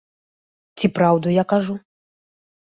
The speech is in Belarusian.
Ці праўду я кажу?